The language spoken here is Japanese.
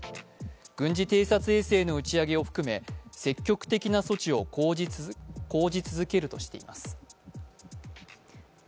軍事偵察衛星の打ち上げを含め、積極的な措置を講じ続けるとしています。